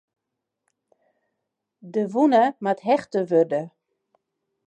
De wûne moat hechte wurde.